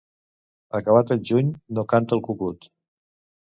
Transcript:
Acabat el juny, no canta el cucut.